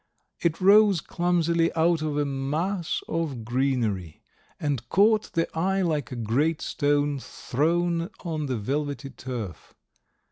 It rose clumsily out of a mass of greenery, and caught the eye like a great stone thrown on the velvety turf.